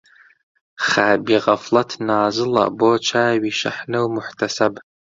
خابی غەفڵەت نازڵە بۆ چاوی شەحنە و موحتەسەب